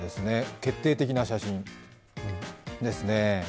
決定的な写真ですね。